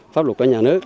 pháp luật của nhà nước